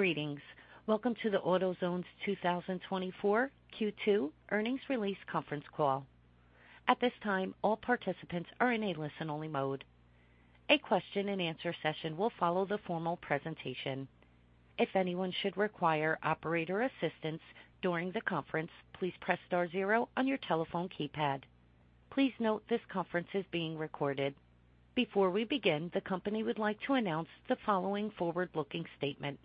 Greetings. Welcome to the AutoZone's 2024 Q2 Earnings Release Conference Call. At this time, all participants are in a listen-only mode. A question-and-answer session will follow the formal presentation. If anyone should require operator assistance during the conference, please press star zero on your telephone keypad. Please note this conference is being recorded. Before we begin, the company would like to announce the following forward-looking statement.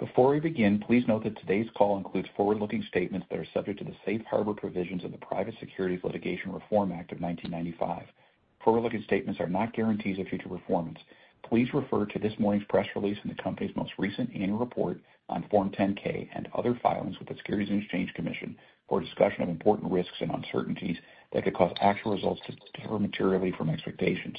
Before we begin, please note that today's call includes forward-looking statements that are subject to the Safe Harbor provisions of the Private Securities Litigation Reform Act of 1995. Forward-looking statements are not guarantees of future performance. Please refer to this morning's press release and the company's most recent annual report on Form 10-K and other filings with the Securities and Exchange Commission for a discussion of important risks and uncertainties that could cause actual results to differ materially from expectations.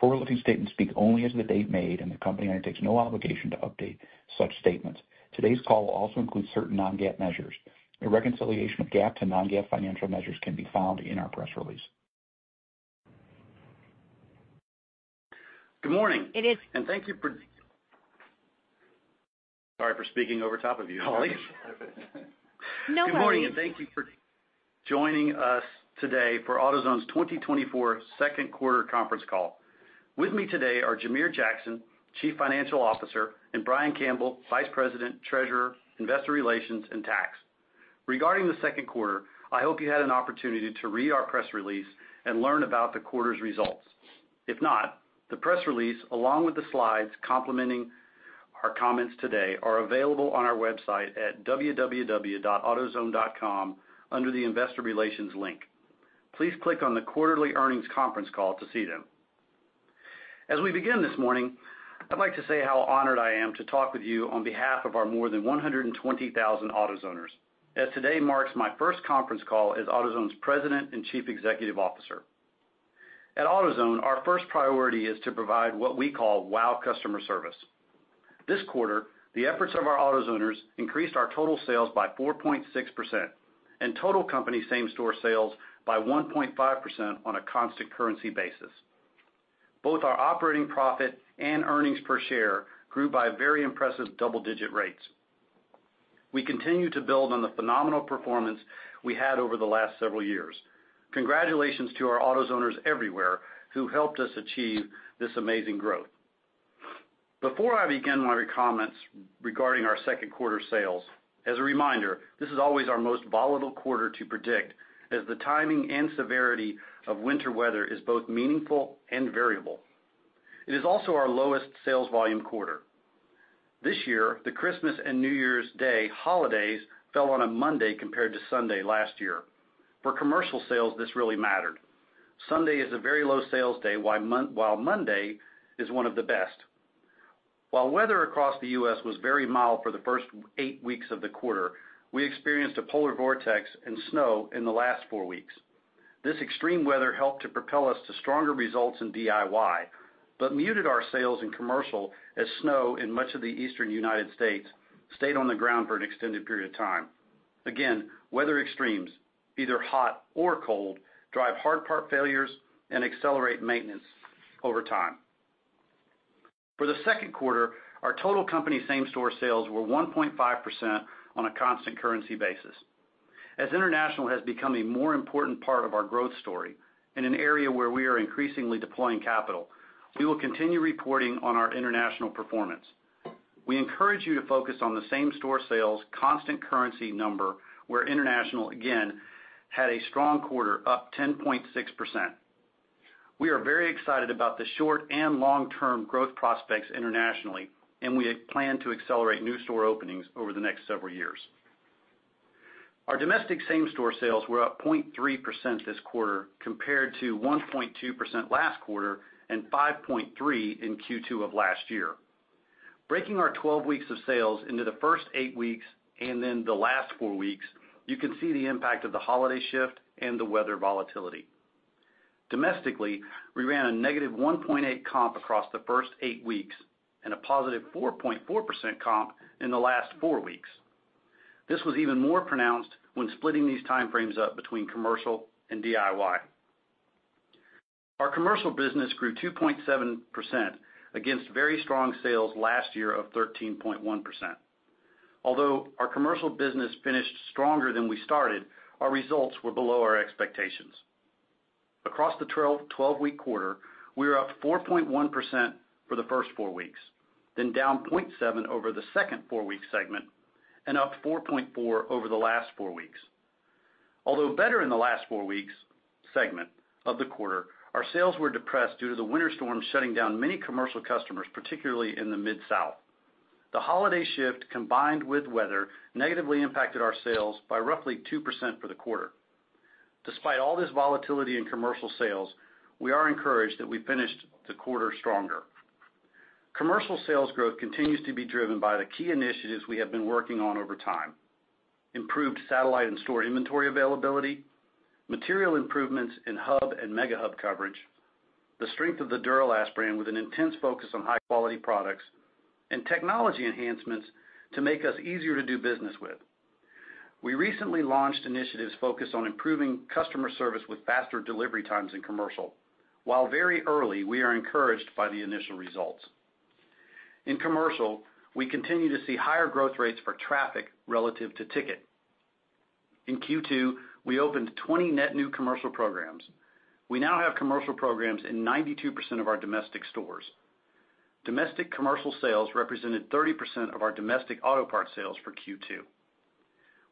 Forward-looking statements speak only as of the date made, and the company undertakes no obligation to update such statements. Today's call will also include certain non-GAAP measures. A reconciliation of GAAP to non-GAAP financial measures can be found in our press release. Good morning. It is. And thank you. Sorry for speaking over top of you, Holly. No worries. Good morning, and thank you for joining us today for AutoZone's 2024 Q2 conference call. With me today are Jamere Jackson, Chief Financial Officer, and Brian Campbell, Vice President, Treasurer, Investor Relations, and Tax. Regarding the Q2, I hope you had an opportunity to read our press release and learn about the quarter's results. If not, the press release, along with the slides complementing our comments today, are available on our website at www.autozone.com under the Investor Relations link. Please click on the quarterly earnings conference call to see them. As we begin this morning, I'd like to say how honored I am to talk with you on behalf of our more than 120,000 AutoZoners. As today marks my first conference call as AutoZone's President and Chief Executive Officer. At AutoZone, our first priority is to provide what we call wow customer service. This quarter, the efforts of our AutoZoners increased our total sales by 4.6% and total company same-store sales by 1.5% on a constant currency basis. Both our operating profit and earnings per share grew by very impressive double-digit rates. We continue to build on the phenomenal performance we had over the last several years. Congratulations to our AutoZoners everywhere who helped us achieve this amazing growth. Before I begin my comments regarding our Q2 sales, as a reminder, this is always our most volatile quarter to predict as the timing and severity of winter weather is both meaningful and variable. It is also our lowest sales volume quarter. This year, the Christmas and New Year's Day holidays fell on a Monday compared to Sunday last year. For commercial sales, this really mattered. Sunday is a very low sales day while Monday is one of the best. While weather across the US was very mild for the first 8 weeks of the quarter, we experienced a Polar vortex and snow in the last 4 weeks. This extreme weather helped to propel us to stronger results in DIY but muted our sales in commercial as snow in much of the Eastern United States stayed on the ground for an extended period of time. Again, weather extremes, either hot or cold, drive hard part failures and accelerate maintenance over time. For the Q2, our total company same-store sales were 1.5% on a constant currency basis. As international has become a more important part of our growth story in an area where we are increasingly deploying capital, we will continue reporting on our international performance. We encourage you to focus on the same-store sales constant currency number where international, again, had a strong quarter up 10.6%. We are very excited about the short and long-term growth prospects internationally, and we plan to accelerate new store openings over the next several years. Our domestic same-store sales were up 0.3% this quarter compared to 1.2% last quarter and 5.3% in Q2 of last year. Breaking our 12 weeks of sales into the first 8 weeks and then the last 4 weeks, you can see the impact of the holiday shift and the weather volatility. Domestically, we ran a negative 1.8% comp across the first 8 weeks and a positive 4.4% comp in the last 4 weeks. This was even more pronounced when splitting these time frames up between commercial and DIY. Our commercial business grew 2.7% against very strong sales last year of 13.1%. Although our commercial business finished stronger than we started, our results were below our expectations. Across the 12-week quarter, we were up 4.1% for the first four weeks, then down 0.7% over the second four-week segment and up 4.4% over the last four weeks. Although better in the last four-week segment of the quarter, our sales were depressed due to the winter storm shutting down many commercial customers, particularly in the Mid-South. The holiday shift combined with weather negatively impacted our sales by roughly 2% for the quarter. Despite all this volatility in commercial sales, we are encouraged that we finished the quarter stronger. Commercial sales growth continues to be driven by the key initiatives we have been working on over time: improved satellite and store inventory availability, material improvements in hub and mega-hub coverage, the strength of the Duralast brand with an intense focus on high-quality products, and technology enhancements to make us easier to do business with. We recently launched initiatives focused on improving customer service with faster delivery times in commercial. While very early, we are encouraged by the initial results. In commercial, we continue to see higher growth rates for traffic relative to ticket. In Q2, we opened 20 net new commercial programs. We now have commercial programs in 92% of our domestic stores. Domestic commercial sales represented 30% of our domestic auto parts sales for Q2.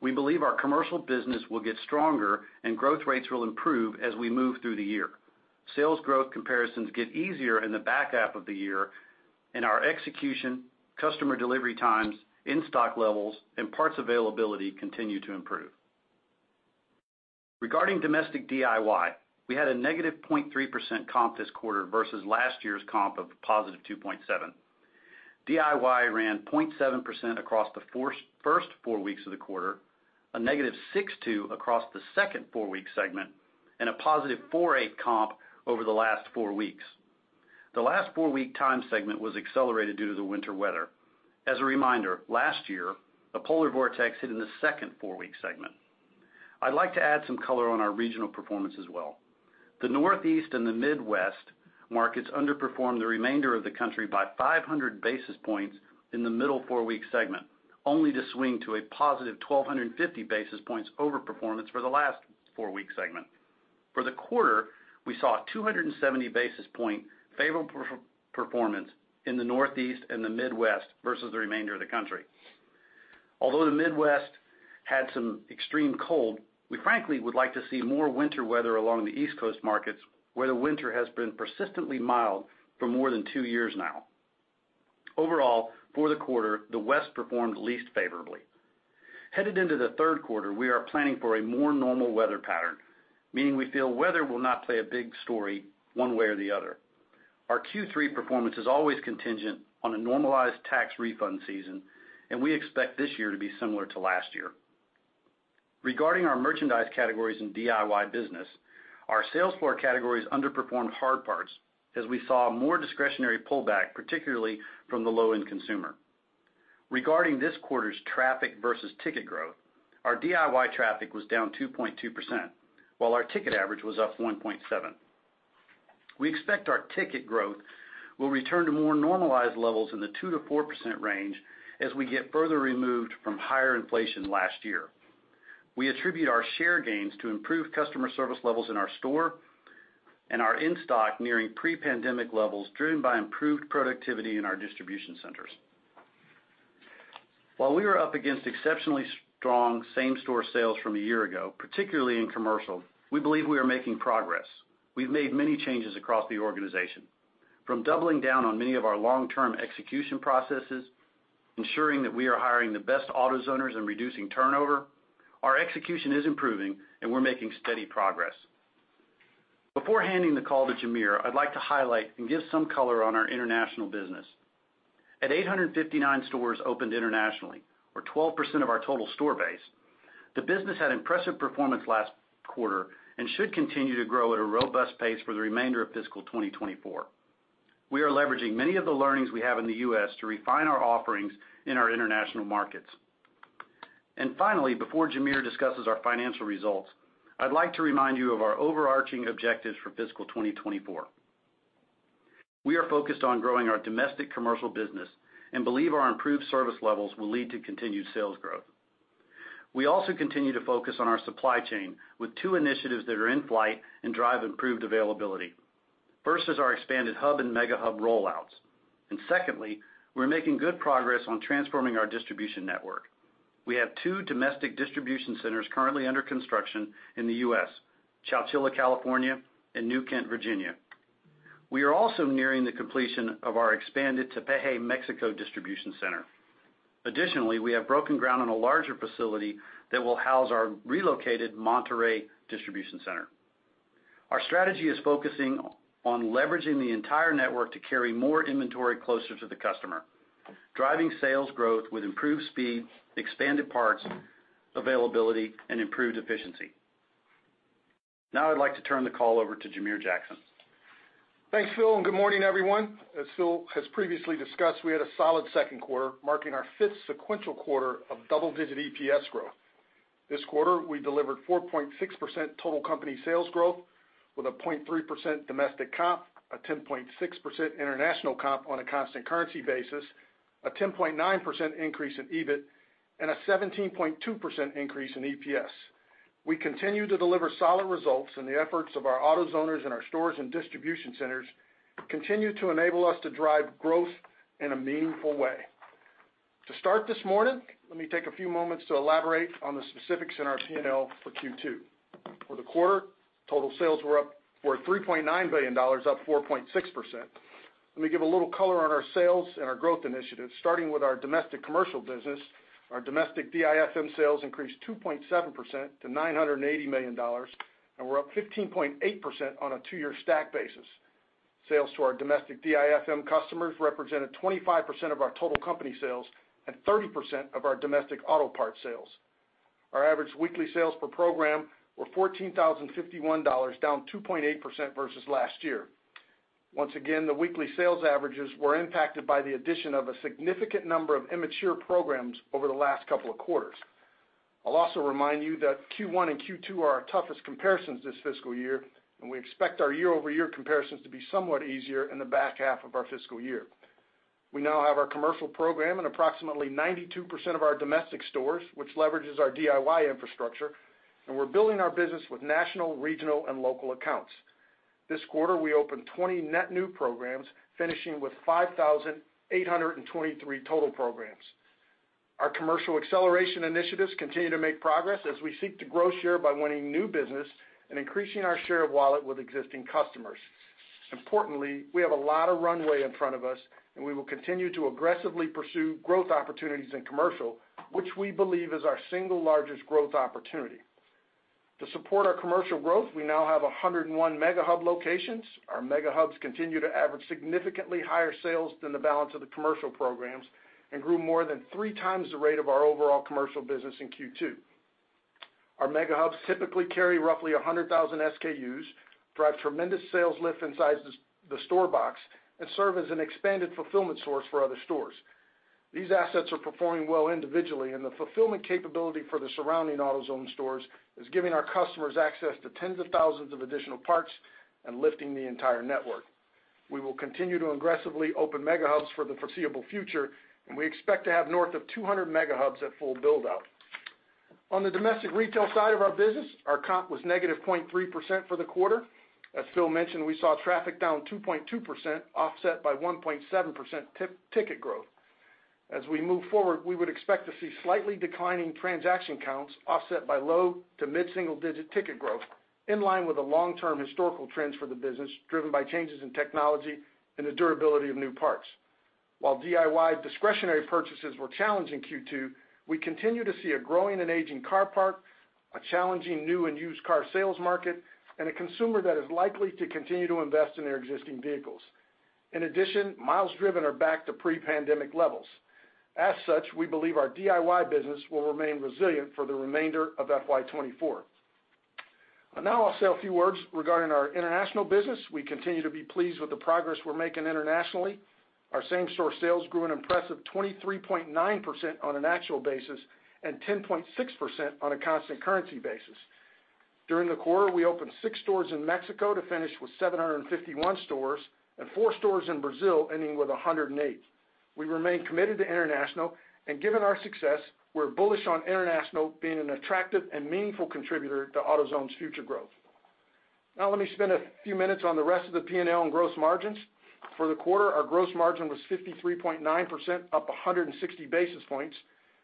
We believe our commercial business will get stronger and growth rates will improve as we move through the year. Sales growth comparisons get easier in the back half of the year, and our execution, customer delivery times, in-stock levels, and parts availability continue to improve. Regarding domestic DIY, we had a negative 0.3% comp this quarter versus last year's comp of positive 2.7%. DIY ran 0.7% across the first four weeks of the quarter, -62% across the second four-week segment, and +48% comp over the last four weeks. The last four-week time segment was accelerated due to the winter weather. As a reminder, last year, a polar vortex hit in the second four-week segment. I'd like to add some color on our regional performance as well. The Northeast and the Midwest markets underperformed the remainder of the country by 500 basis points in the middle four-week segment, only to swing to +1,250 basis points overperformance for the last four-week segment. For the quarter, we saw a 270-basis-point favorable performance in the Northeast and the Midwest versus the remainder of the country. Although the Midwest had some extreme cold, we frankly would like to see more winter weather along the East Coast markets where the winter has been persistently mild for more than two years now. Overall, for the quarter, the West performed least favorably. Headed into the Q3, we are planning for a more normal weather pattern, meaning we feel weather will not play a big story one way or the other. Our Q3 performance is always contingent on a normalized tax refund season, and we expect this year to be similar to last year. Regarding our merchandise categories and DIY business, our sales floor categories underperformed hard parts as we saw more discretionary pullback, particularly from the low-end consumer. Regarding this quarter's traffic versus ticket growth, our DIY traffic was down 2.2% while our ticket average was up 1.7%. We expect our ticket growth will return to more normalized levels in the 2% to 4% range as we get further removed from higher inflation last year. We attribute our share gains to improved customer service levels in our store and our in-stock nearing pre-pandemic levels driven by improved productivity in our distribution centers. While we were up against exceptionally strong same-store sales from a year ago, particularly in commercial, we believe we are making progress. We've made many changes across the organization. From doubling down on many of our long-term execution processes, ensuring that we are hiring the best AutoZoners and reducing turnover, our execution is improving, and we're making steady progress. Before handing the call to Jamere, I'd like to highlight and give some color on our international business. At 859 stores opened internationally, or 12% of our total store base, the business had impressive performance last quarter and should continue to grow at a robust pace for the remainder of fiscal 2024. We are leveraging many of the learnings we have in the US to refine our offerings in our international markets. And finally, before Jamere discusses our financial results, I'd like to remind you of our overarching objectives for fiscal 2024. We are focused on growing our domestic commercial business and believe our improved service levels will lead to continued sales growth. We also continue to focus on our supply chain with two initiatives that are in flight and drive improved availability. First is our expanded hub and mega-hub rollouts. And secondly, we're making good progress on transforming our distribution network. We have two domestic distribution centers currently under construction in the US: Chowchilla, California, and New Kent, Virginia. We are also nearing the completion of our expanded Tepeji, Mexico, distribution center. Additionally, we have broken ground on a larger facility that will house our relocated Monterrey distribution center. Our strategy is focusing on leveraging the entire network to carry more inventory closer to the customer, driving sales growth with improved speed, expanded parts availability, and improved efficiency. Now I'd like to turn the call over to Jamere Jackson. Thanks, Phil, and good morning, everyone. As Phil has previously discussed, we had a solid Q2 marking our fifth sequential quarter of double-digit EPS growth. This quarter, we delivered 4.6% total company sales growth with a 0.3% domestic comp, a 10.6% international comp on a constant currency basis, a 10.9% increase in EBIT, and a 17.2% increase in EPS. We continue to deliver solid results, and the efforts of our AutoZoners in our stores and distribution centers continue to enable us to drive growth in a meaningful way. To start this morning, let me take a few moments to elaborate on the specifics in our P&L for Q2. For the quarter, total sales were $3.9 billion, up 4.6%. Let me give a little color on our sales and our growth initiatives. Starting with our domestic commercial business, our domestic DIFM sales increased 2.7% to $980 million, and we're up 15.8% on a two-year stack basis. Sales to our domestic DIFM customers represented 25% of our total company sales and 30% of our domestic auto parts sales. Our average weekly sales per program were $14,051, down 2.8% versus last year. Once again, the weekly sales averages were impacted by the addition of a significant number of immature programs over the last couple of quarters. I'll also remind you that Q1 and Q2 are our toughest comparisons this fiscal year, and we expect our year-over-year comparisons to be somewhat easier in the back half of our fiscal year. We now have our commercial program in approximately 92% of our domestic stores, which leverages our DIY infrastructure, and we're building our business with national, regional, and local accounts. This quarter, we opened 20 net new programs, finishing with 5,823 total programs. Our commercial acceleration initiatives continue to make progress as we seek to grow share by winning new business and increasing our share of wallet with existing customers. Importantly, we have a lot of runway in front of us, and we will continue to aggressively pursue growth opportunities in commercial, which we believe is our single largest growth opportunity. To support our commercial growth, we now have 101 mega-hub locations. Our Mega Hubs continue to average significantly higher sales than the balance of the commercial programs and grew more than three times the rate of our overall commercial business in Q2. Our Mega Hubs typically carry roughly 100,000 SKUs, drive tremendous sales lift inside the store box, and serve as an expanded fulfillment source for other stores. These assets are performing well individually, and the fulfillment capability for the surrounding AutoZone stores is giving our customers access to tens of thousands of additional parts and lifting the entire network. We will continue to aggressively open Mega Hubs for the foreseeable future, and we expect to have north of 200 Mega Hubs at full build-out. On the domestic retail side of our business, our comp was negative 0.3% for the quarter. As Phil mentioned, we saw traffic down 2.2%, offset by 1.7% ticket growth. As we move forward, we would expect to see slightly declining transaction counts offset by low to mid-single-digit ticket growth in line with a long-term historical trend for the business driven by changes in technology and the durability of new parts. While DIY discretionary purchases were challenging Q2, we continue to see a growing and aging car park, a challenging new and used car sales market, and a consumer that is likely to continue to invest in their existing vehicles. In addition, miles driven are back to pre-pandemic levels. As such, we believe our DIY business will remain resilient for the remainder of FY24. Now I'll say a few words regarding our international business. We continue to be pleased with the progress we're making internationally. Our same-store sales grew an impressive 23.9% on an actual basis and 10.6% on a constant currency basis. During the quarter, we opened six stores in Mexico to finish with 751 stores and four stores in Brazil, ending with 108. We remain committed to international, and given our success, we're bullish on international being an attractive and meaningful contributor to AutoZone's future growth. Now let me spend a few minutes on the rest of the P&L and gross margins. For the quarter, our gross margin was 53.9%, up 160 basis points,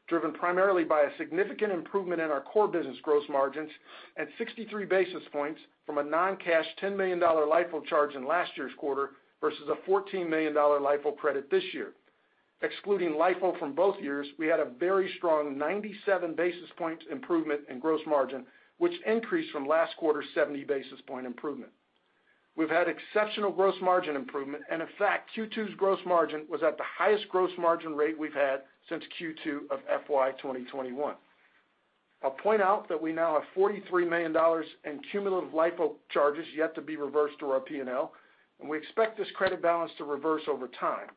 driven primarily by a significant improvement in our core business gross margins and 63 basis points from a non-cash $10 million LIFO charge in last year's quarter versus a $14 million LIFO credit this year. Excluding LIFO from both years, we had a very strong 97 basis points improvement in gross margin, which increased from last quarter's 70 basis point improvement. We've had exceptional gross margin improvement, and in fact, Q2's gross margin was at the highest gross margin rate we've had since Q2 of FY2021. I'll point out that we now have $43 million in cumulative LIFO charges yet to be reversed through our P&L, and we expect this credit balance to reverse over time.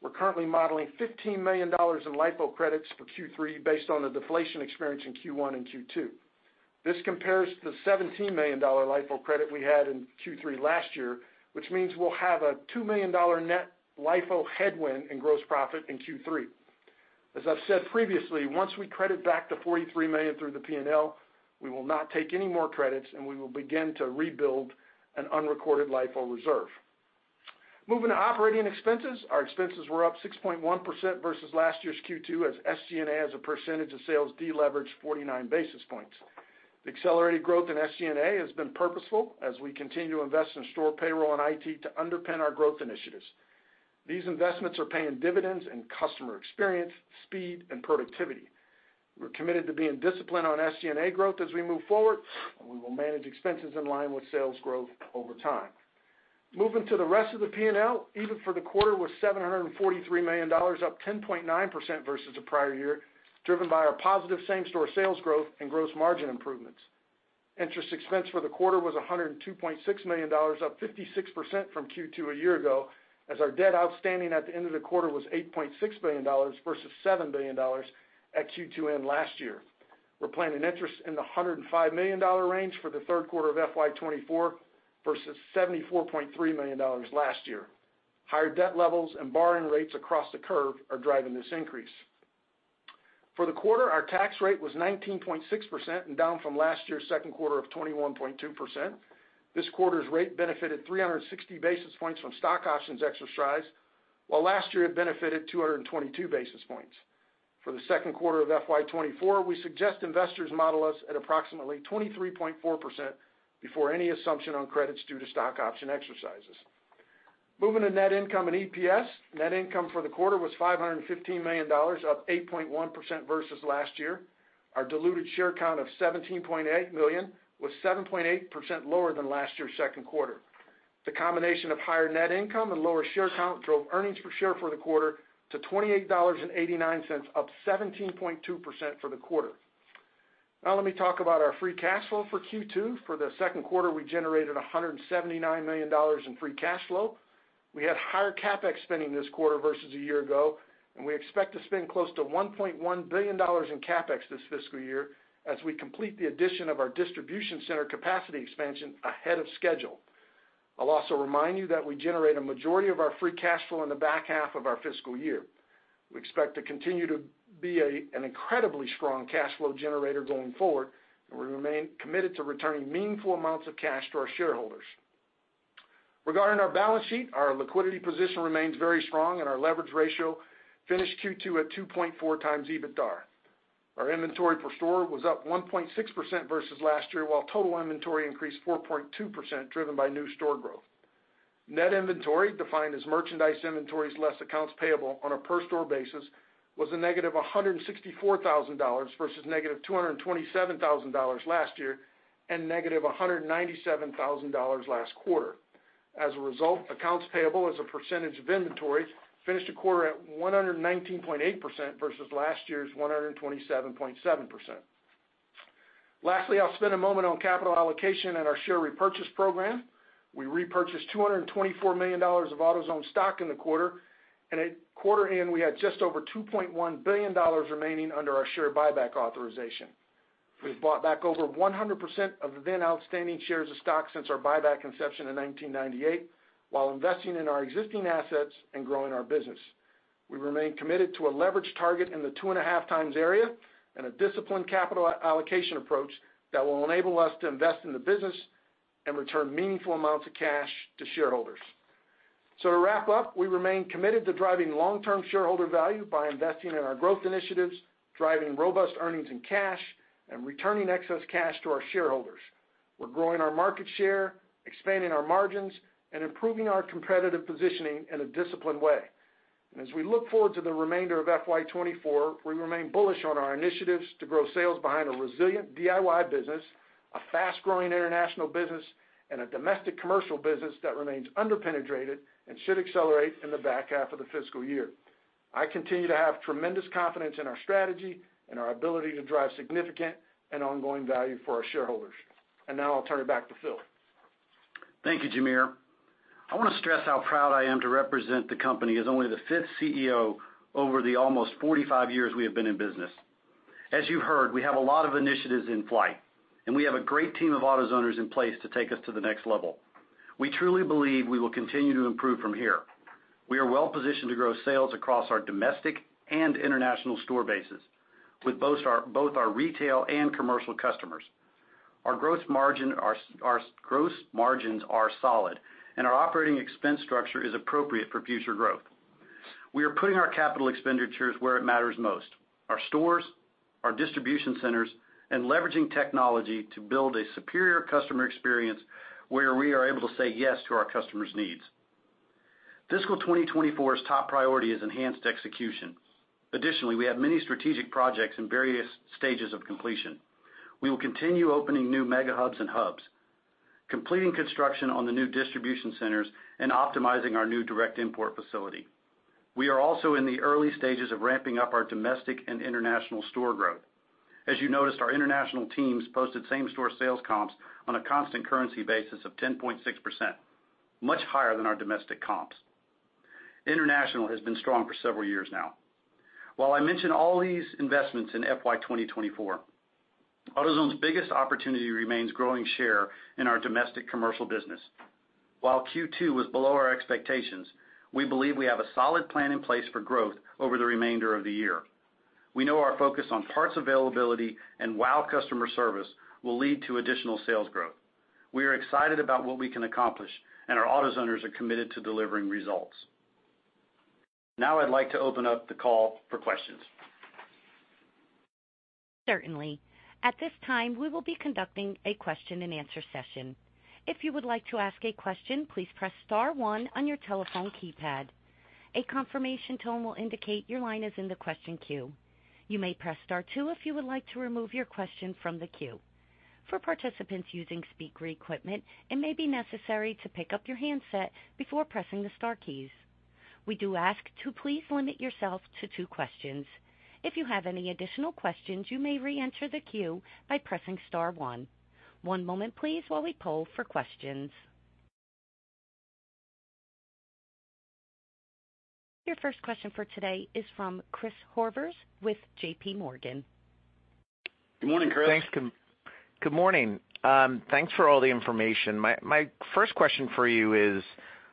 We're currently modeling $15 million in LIFO credits for Q3 based on the deflation experience in Q1 and Q2. This compares to the $17 million LIFO credit we had in Q3 last year, which means we'll have a $2 million net LIFO headwind in gross profit in Q3. As I've said previously, once we credit back the $43 million through the P&L, we will not take any more credits, and we will begin to rebuild an unrecorded LIFO reserve. Moving to operating expenses, our expenses were up 6.1% versus last year's Q2 as SG&A as a percentage of sales deleveraged 49 basis points. The accelerated growth in SG&A has been purposeful as we continue to invest in store payroll and IT to underpin our growth initiatives. These investments are paying dividends in customer experience, speed, and productivity. We're committed to being disciplined on SG&A growth as we move forward, and we will manage expenses in line with sales growth over time. Moving to the rest of the P&L, EBITDA for the quarter was $743 million, up 10.9% versus a prior year, driven by our positive same-store sales growth and gross margin improvements. Interest expense for the quarter was $102.6 million, up 56% from Q2 a year ago as our debt outstanding at the end of the quarter was $8.6 versus 7 billion at Q2 end last year. We're planning interest in the $105 million range for the Q3 of FY24 versus $74.3 million last year. Higher debt levels and borrowing rates across the curve are driving this increase. For the quarter, our tax rate was 19.6% and down from last year's Q2 of 21.2%. This quarter's rate benefited 360 basis points from stock options exercise, while last year had benefited 222 basis points. For the Q2 of FY24, we suggest investors model us at approximately 23.4% before any assumption on credits due to stock option exercises. Moving to net income and EPS, net income for the quarter was $515 million, up 8.1% versus last year. Our diluted share count of 17.8 million was 7.8% lower than last year's Q2. The combination of higher net income and lower share count drove earnings per share for the quarter to $28.89, up 17.2% for the quarter. Now let me talk about our free cash flow for Q2. For the Q2, we generated $179 million in free cash flow. We had higher CapEx spending this quarter versus a year ago, and we expect to spend close to $1.1 billion in CapEx this fiscal year as we complete the addition of our distribution center capacity expansion ahead of schedule. I'll also remind you that we generate a majority of our free cash flow in the back half of our fiscal year. We expect to continue to be an incredibly strong cash flow generator going forward, and we remain committed to returning meaningful amounts of cash to our shareholders. Regarding our balance sheet, our liquidity position remains very strong, and our leverage ratio finished Q2 at 2.4x EBITDA. Our inventory per store was up 1.6% versus last year, while total inventory increased 4.2% driven by new store growth. Net inventory, defined as merchandise inventories less accounts payable on a per-store basis, was a negative $164,000 versus -227,000 last year and -197,000 last quarter. As a result, accounts payable as a percentage of inventory finished a quarter at 119.8% versus last year's 127.7%. Lastly, I'll spend a moment on capital allocation and our share repurchase program. We repurchased $224 million of AutoZone stock in the quarter, and at quarter end, we had just over $2.1 billion remaining under our share buyback authorization. We've bought back over 100% of the then-outstanding shares of stock since our buyback inception in 1998 while investing in our existing assets and growing our business. We remain committed to a leverage target in the 2.5x area and a disciplined capital allocation approach that will enable us to invest in the business and return meaningful amounts of cash to shareholders. So to wrap up, we remain committed to driving long-term shareholder value by investing in our growth initiatives, driving robust earnings in cash, and returning excess cash to our shareholders. We're growing our market share, expanding our margins, and improving our competitive positioning in a disciplined way. As we look forward to the remainder of FY24, we remain bullish on our initiatives to grow sales behind a resilient DIY business, a fast-growing international business, and a domestic commercial business that remains underpenetrated and should accelerate in the back half of the fiscal year. I continue to have tremendous confidence in our strategy and our ability to drive significant and ongoing value for our shareholders. Now I'll turn it back to Phil. Thank you, Jamere. I want to stress how proud I am to represent the company as only the fifth CEO over the almost 45 years we have been in business. As you've heard, we have a lot of initiatives in flight, and we have a great team of AutoZoners in place to take us to the next level. We truly believe we will continue to improve from here. We are well-positioned to grow sales across our domestic and international store bases with both our retail and commercial customers. Our gross margins are solid, and our operating expense structure is appropriate for future growth. We are putting our capital expenditures where it matters most: our stores, our distribution centers, and leveraging technology to build a superior customer experience where we are able to say yes to our customers' needs. Fiscal 2024's top priority is enhanced execution. Additionally, we have many strategic projects in various stages of completion. We will continue opening new Mega Hubs and Hubs, completing construction on the new Distribution Centers, and optimizing our new direct import facility. We are also in the early stages of ramping up our domestic and international store growth. As you noticed, our international teams posted same-store sales comps on a Constant Currency basis of 10.6%, much higher than our domestic comps. International has been strong for several years now. While I mention all these investments in FY2024, AutoZone's biggest opportunity remains growing share in our domestic commercial business. While Q2 was below our expectations, we believe we have a solid plan in place for growth over the remainder of the year. We know our focus on parts availability and wow customer service will lead to additional sales growth. We are excited about what we can accomplish, and our AutoZoners are committed to delivering results. Now I'd like to open up the call for questions. Certainly. At this time, we will be conducting a question-and-answer session. If you would like to ask a question, please press star one on your telephone keypad. A confirmation tone will indicate your line is in the question queue. You may press star two if you would like to remove your question from the queue. For participants using speak-through equipment, it may be necessary to pick up your handset before pressing the star keys. We do ask to please limit yourself to two questions. If you have any additional questions, you may re-enter the queue by pressing star one. One moment, please, while we pull for questions. Your first question for today is from Chris Horvers with JP Morgan. Good morning, Chris. Thanks. Good morning. Thanks for all the information. My first question for you is,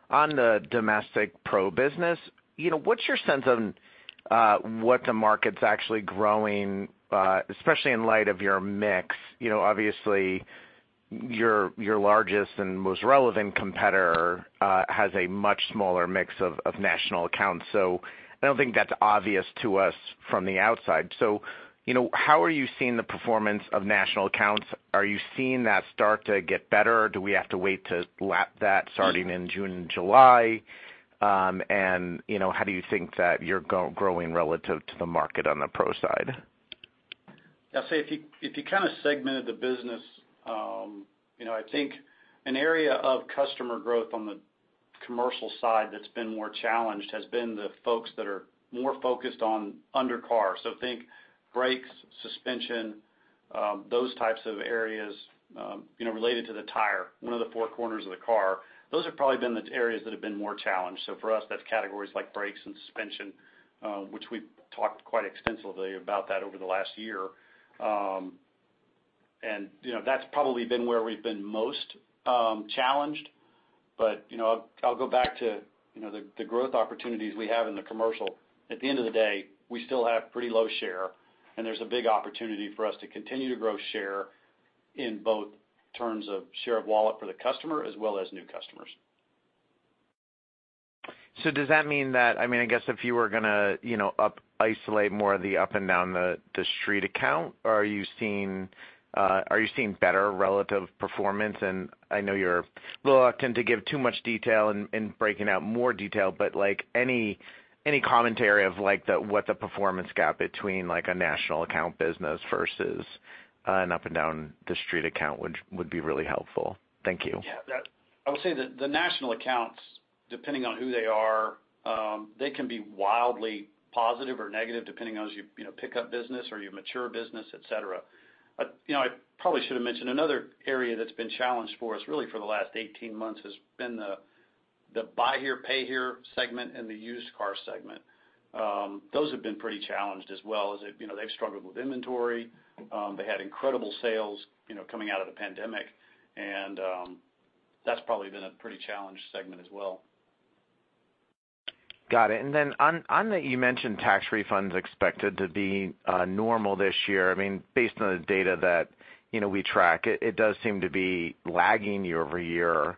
on the domestic pro business, what's your sense of what the market's actually growing, especially in light of your mix? Obviously, your largest and most relevant competitor has a much smaller mix of national accounts, so I don't think that's obvious to us from the outside. So how are you seeing the performance of national accounts? Are you seeing that start to get better, or do we have to wait to lap that starting in June and July? And how do you think that you're growing relative to the market on the pro side? Yeah. So if you kind of segmented the business, I think an area of customer growth on the commercial side that's been more challenged has been the folks that are more focused on undercars. So think brakes, suspension, those types of areas related to the tire, one of the four corners of the car. Those have probably been the areas that have been more challenged. So for us, that's categories like brakes and suspension, which we've talked quite extensively about that over the last year. And that's probably been where we've been most challenged. But I'll go back to the growth opportunities we have in the commercial. At the end of the day, we still have pretty low share, and there's a big opportunity for us to continue to grow share in both terms of share of wallet for the customer as well as new customers. So, does that mean that—I mean, I guess if you were going to isolate more of the up-and-down-the-street account, are you seeing better relative performance? And I know you're a little reluctant to give too much detail in breaking out more detail, but any commentary on what the performance gap between a national account business versus an up-and-down-the-street account would be really helpful. Thank you. Yeah. I would say the national accounts, depending on who they are, they can be wildly positive or negative depending on if you pick up business or you mature business, etc. I probably should have mentioned another area that's been challenged for us really for the last 18 months has been the buy here, pay here segment and the used car segment. Those have been pretty challenged as well as they've struggled with inventory. They had incredible sales coming out of the pandemic, and that's probably been a pretty challenged segment as well. Got it. And then, on the you mentioned tax refunds expected to be normal this year. I mean, based on the data that we track, it does seem to be lagging year-over-year.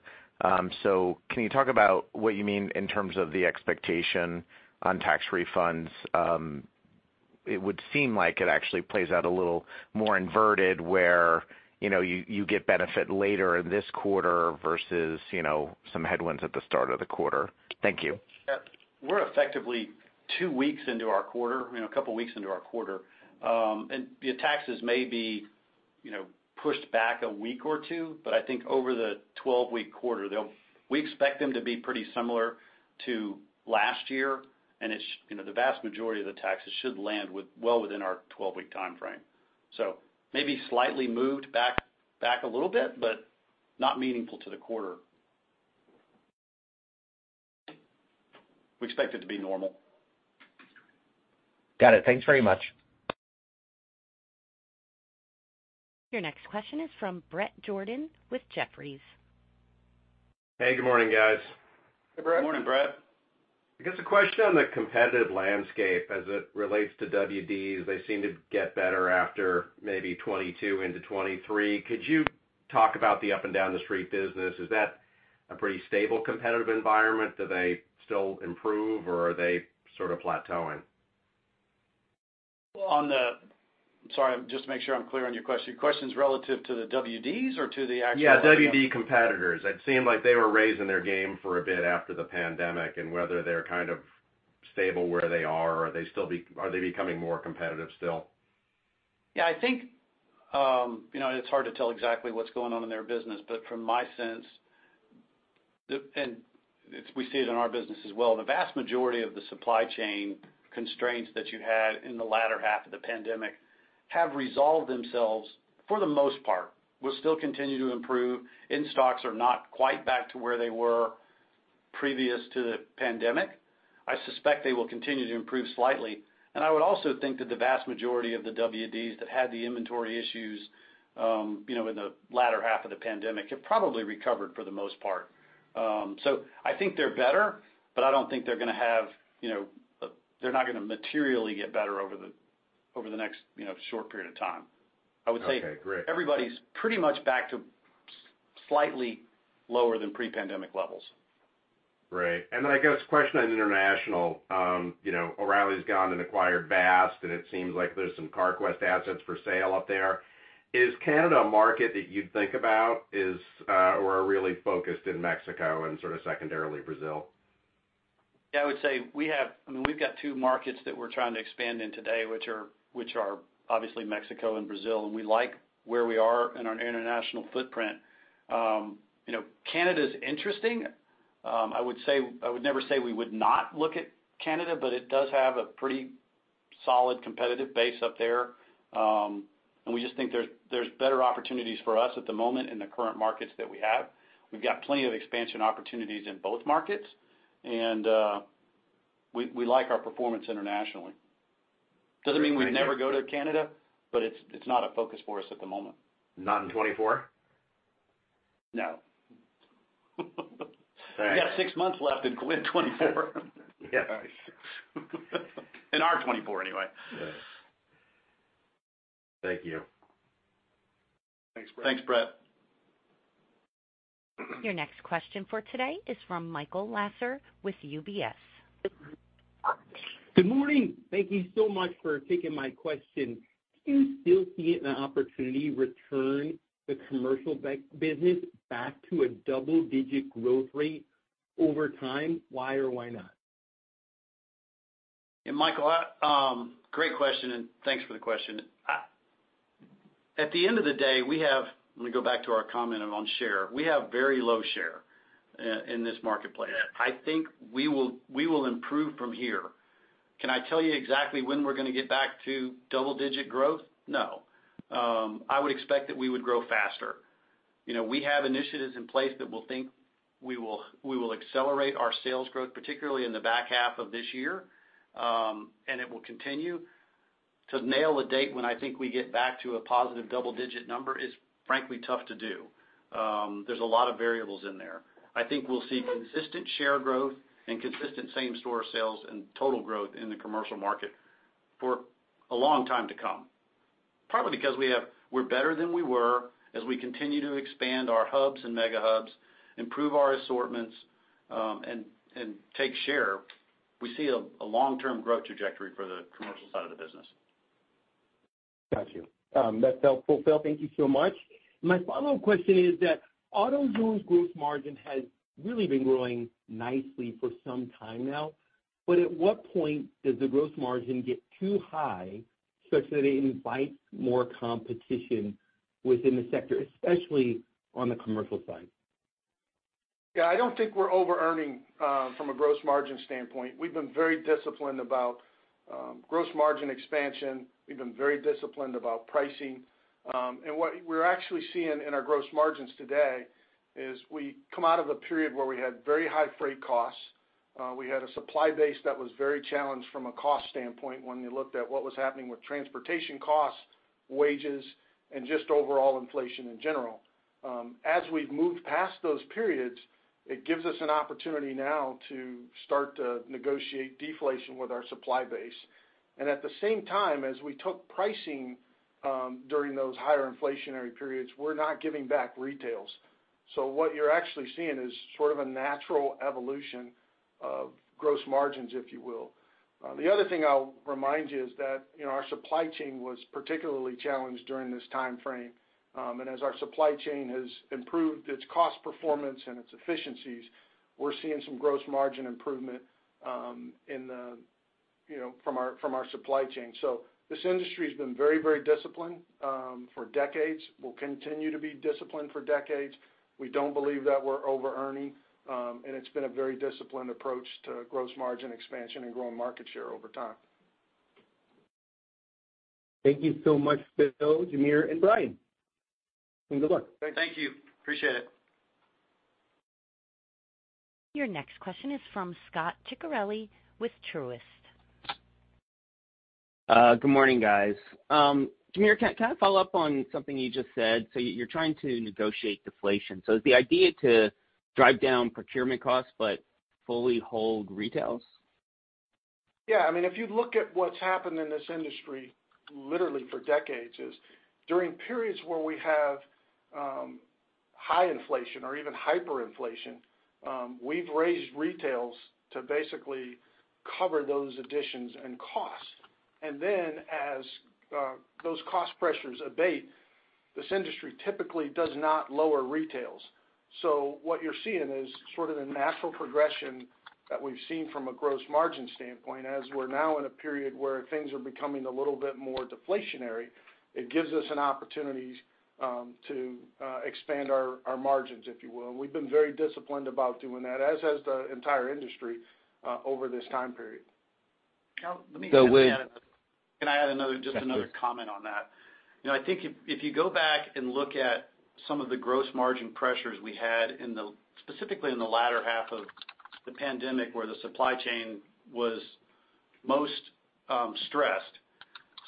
So can you talk about what you mean in terms of the expectation on tax refunds? It would seem like it actually plays out a little more inverted where you get benefit later in this quarter versus some headwinds at the start of the quarter. Thank you. Yeah. We're effectively two weeks into our quarter, a couple of weeks into our quarter. The taxes may be pushed back a week or two, but I think over the 12-week quarter, we expect them to be pretty similar to last year, and the vast majority of the taxes should land well within our 12-week time frame. Maybe slightly moved back a little bit, but not meaningful to the quarter. We expect it to be normal. Got it. Thanks very much. Your next question is from Brett Jordan with Jefferies. Hey. Good morning, guys. Hey, Bret. Morning, Brett. I guess a question on the competitive landscape as it relates to WDs. They seem to get better after maybe 2022 into 2023. Could you talk about the up and down the street business? Is that a pretty stable competitive environment? Do they still improve, or are they sort of plateauing? Well, I'm sorry. Just to make sure I'm clear on your question. Your question's relative to the WDs or to the actual? Yeah. WD competitors. It seemed like they were raising their game for a bit after the pandemic and whether they're kind of stable where they are. Are they becoming more competitive still? Yeah. I think it's hard to tell exactly what's going on in their business, but from my sense and we see it in our business as well. The vast majority of the supply chain constraints that you had in the latter half of the pandemic have resolved themselves for the most part. We'll still continue to improve. In-stocks are not quite back to where they were previous to the pandemic. I suspect they will continue to improve slightly. And I would also think that the vast majority of the WDs that had the inventory issues in the latter half of the pandemic have probably recovered for the most part. So I think they're better, but I don't think they're going to have they're not going to materially get better over the next short period of time. I would say everybody's pretty much back to slightly lower than pre-pandemic levels. Right. And then I guess a question on international. O'Reilly's gone and acquired Vast, and it seems like there's some Carquest assets for sale up there. Is Canada a market that you'd think about or are really focused in Mexico and sort of secondarily Brazil? Yeah. I would say we have—I mean, we've got 2 markets that we're trying to expand in today, which are obviously Mexico and Brazil. And we like where we are in our international footprint. Canada's interesting. I would never say we would not look at Canada, but it does have a pretty solid competitive base up there. And we just think there's better opportunities for us at the moment in the current markets that we have. We've got plenty of expansion opportunities in both markets, and we like our performance internationally. Doesn't mean we'd never go to Canada, but it's not a focus for us at the moment. Not in 2024? No. We've got six months left in 2024. In our 2024 anyway. Thank you. Thanks, Brett. Thanks, Brett. Your next question for today is from Michael Lasser with UBS. Good morning. Thank you so much for taking my question. Do you still see an opportunity to return the commercial business back to a double-digit growth rate over time? Why or why not? Yeah, Michael, great question, and thanks for the question. At the end of the day, we have let me go back to our comment on share. We have very low share in this marketplace. I think we will improve from here. Can I tell you exactly when we're going to get back to double-digit growth? No. I would expect that we would grow faster. We have initiatives in place that we'll think we will accelerate our sales growth, particularly in the back half of this year, and it will continue. To nail a date when I think we get back to a positive double-digit number is frankly tough to do. There's a lot of variables in there. I think we'll see consistent share growth and consistent same-store sales and total growth in the commercial market for a long time to come, probably because we're better than we were as we continue to expand our hubs and Mega Hubs, improve our assortments, and take share. We see a long-term growth trajectory for the commercial side of the business. Got you. That's helpful, Phil. Thank you so much. My follow-up question is that AutoZone's gross margin has really been growing nicely for some time now, but at what point does the gross margin get too high such that it invites more competition within the sector, especially on the commercial side? Yeah. I don't think we're over-earning from a gross margin standpoint. We've been very disciplined about gross margin expansion. We've been very disciplined about pricing. And what we're actually seeing in our gross margins today is we come out of a period where we had very high freight costs. We had a supply base that was very challenged from a cost standpoint when you looked at what was happening with transportation costs, wages, and just overall inflation in general. As we've moved past those periods, it gives us an opportunity now to start to negotiate deflation with our supply base. And at the same time, as we took pricing during those higher inflationary periods, we're not giving back retails. So what you're actually seeing is sort of a natural evolution of gross margins, if you will. The other thing I'll remind you is that our supply chain was particularly challenged during this time frame. As our supply chain has improved its cost performance and its efficiencies, we're seeing some gross margin improvement from our supply chain. This industry has been very, very disciplined for decades. We'll continue to be disciplined for decades. We don't believe that we're over-earning, and it's been a very disciplined approach to gross margin expansion and growing market share over time. Thank you so much, Phil, Jamere, and Brian. Good luck. Thank you. Appreciate it. Your next question is from Scot Ciccarelli with Truist. Good morning, guys. Jamere, can I follow up on something you just said? So you're trying to negotiate deflation. So is the idea to drive down procurement costs but fully hold retails? Yeah. I mean, if you look at what's happened in this industry literally for decades, during periods where we have high inflation or even hyperinflation, we've raised retails to basically cover those additions and costs. And then as those cost pressures abate, this industry typically does not lower retails. So what you're seeing is sort of a natural progression that we've seen from a gross margin standpoint. As we're now in a period where things are becoming a little bit more deflationary, it gives us an opportunity to expand our margins, if you will. And we've been very disciplined about doing that, as has the entire industry this time period. Now, let me add another. So with. Can I add just another comment on that? I think if you go back and look at some of the gross margin pressures we had specifically in the latter half of the pandemic where the supply chain was most stressed,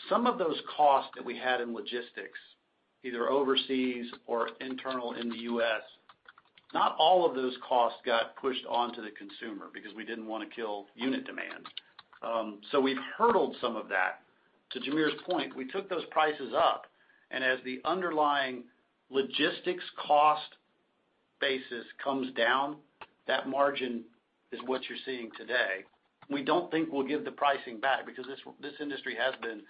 some of those costs that we had in logistics, either overseas or internal in the US, not all of those costs got pushed onto the consumer because we didn't want to kill unit demand. So we've hurdled some of that. To Jamere's point, we took those prices up, and as the underlying logistics cost basis comes down, that margin is what you're seeing today. We don't think we'll give the pricing back because this industry has been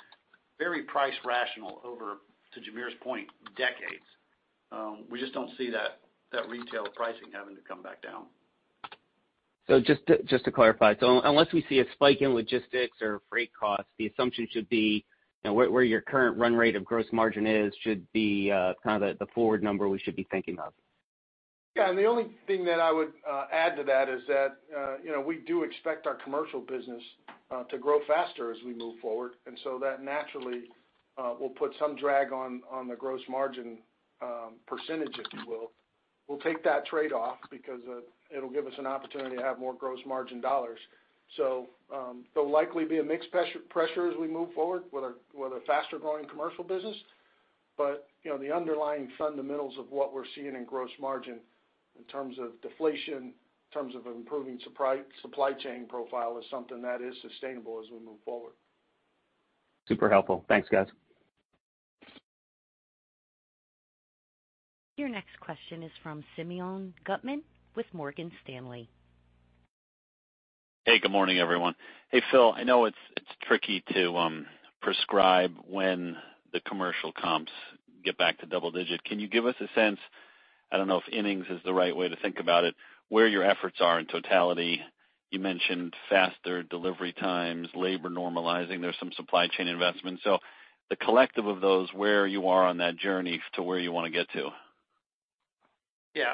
very price-rational over, to Jamere's point, decades. We just don't see that retail pricing having to come back down. So just to clarify, so unless we see a spike in logistics or freight costs, the assumption should be where your current run rate of gross margin is should be kind of the forward number we should be thinking of. Yeah. And the only thing that I would add to that is that we do expect our commercial business to grow faster as we move forward, and so that naturally will put some drag on the gross margin percentage, if you will. We'll take that trade-off because it'll give us an opportunity to have more gross margin dollars. So there'll likely be a mixed pressure as we move forward with a faster-growing commercial business, but the underlying fundamentals of what we're seeing in gross margin in terms of deflation, in terms of improving supply chain profile, is something that is sustainable as we move forward. Super helpful. Thanks, guys. Your next question is from Simeon Gutman with Morgan Stanley. Hey. Good morning, everyone. Hey, Phil, I know it's tricky to prescribe when the commercial comps get back to double digit. Can you give us a sense—I don't know if innings is the right way to think about it—where your efforts are in totality? You mentioned faster delivery times, labor normalizing. There's some supply chain investments. So the collective of those, where you are on that journey to where you want to get to? Yeah.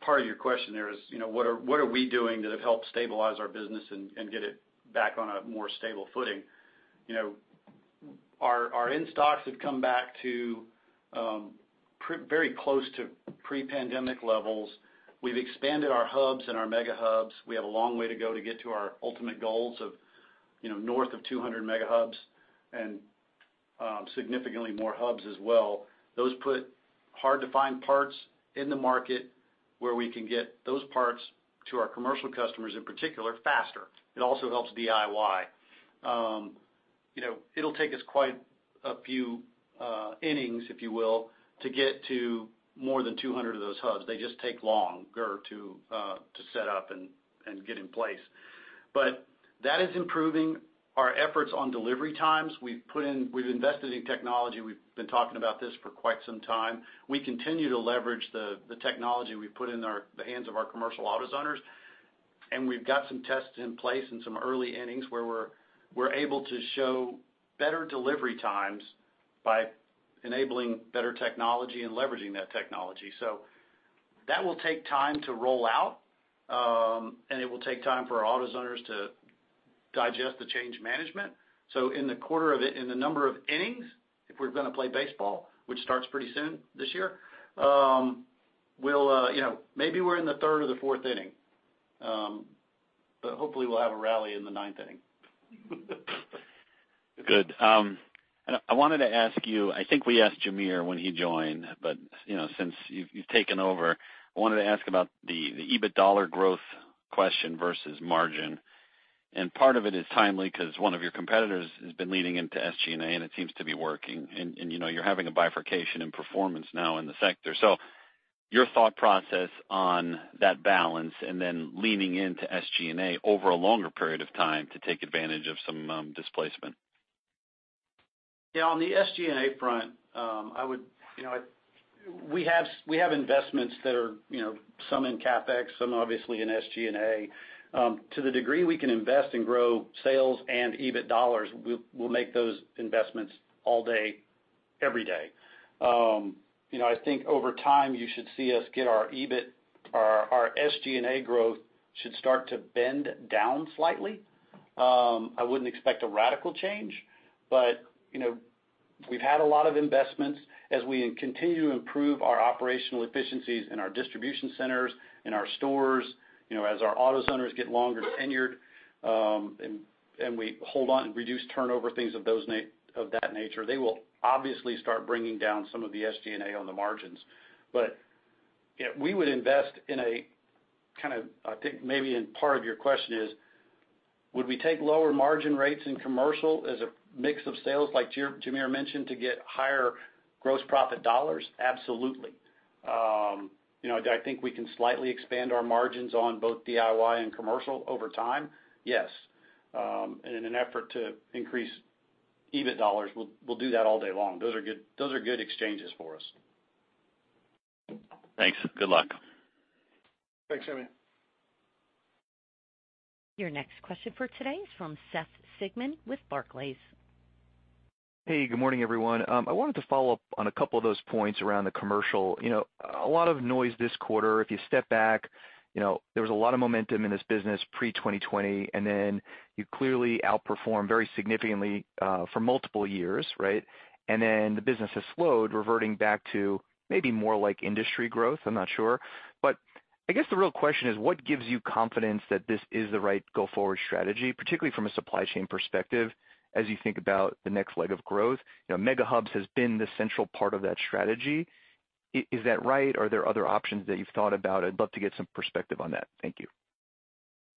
Part of your question there is what are we doing that have helped stabilize our business and get it back on a more stable footing? Our in-stocks have come back very close to pre-pandemic levels. We've expanded our hubs and our Mega Hubs. We have a long way to go to get to our ultimate goals of north of 200 Mega Hubs and significantly more hubs as well. Those put hard-to-find parts in the market where we can get those parts to our commercial customers in particular faster. It also helps DIY. It'll take us quite a few innings, if you will, to get to more than 200 of those hubs. They just take longer to set up and get in place. But that is improving our efforts on delivery times. We've invested in technology. We've been talking about this for quite some time. We continue to leverage the technology we've put in the hands of our commercial AutoZoners. We've got some tests in place and some early innings where we're able to show better delivery times by enabling better technology and leveraging that technology. That will take time to roll out, and it will take time for our AutoZoners to digest the change management. In the quarter of it in the number of innings, if we're going to play baseball, which starts pretty soon this year, maybe we're in the third or the fourth inning, but hopefully, we'll have a rally in the ninth inning. Good. And I wanted to ask you I think we asked Jamere when he joined, but since you've taken over, I wanted to ask about the EBITDA growth question versus margin. And part of it is timely because one of your competitors has been leading into SG&A, and it seems to be working. And you're having a bifurcation in performance now in the sector. So your thought process on that balance and then leaning into SG&A over a longer period of time to take advantage of some displacement? Yeah. On the SG&A front, we have investments that are some in CapEx, some obviously in SG&A. To the degree we can invest and grow sales and EBITDA, we'll make those investments all day, every day. I think over time, you should see us get our EBIT, our SG&A growth should start to bend down slightly. I wouldn't expect a radical change, but we've had a lot of investments. As we continue to improve our operational efficiencies in our distribution centers, in our stores, as our AutoZoners get longer tenured and we hold on and reduce turnover, things of that nature, they will obviously start bringing down some of the SG&A on the margins. But we would invest in a kind of I think maybe part of your question is, would we take lower margin rates in commercial as a mix of sales, like Jamere mentioned, to get higher gross profit dollars? Absolutely. I think we can slightly expand our margins on both DIY and commercial over time. Yes. And in an effort to increase EBITDA, we'll do that all day long. Those are good exchanges for us. Thanks. Good luck. Thanks, Simeon. Your next question for today is from Seth Sigman with Barclays. Hey. Good morning, everyone. I wanted to follow up on a couple of those points around the commercial. A lot of noise this quarter. If you step back, there was a lot of momentum in this business pre-2020, and then you clearly outperformed very significantly for multiple years, right? And then the business has slowed, reverting back to maybe more like industry growth. I'm not sure. But I guess the real question is, what gives you confidence that this is the right go-forward strategy, particularly from a supply chain perspective as you think about the next leg of growth? Mega Hubs have been the central part of that strategy. Is that right? Are there other options that you've thought about? I'd love to get some perspective on that. Thank you.